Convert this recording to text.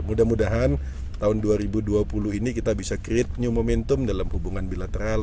mudah mudahan tahun dua ribu dua puluh ini kita bisa create new momentum dalam hubungan bilateral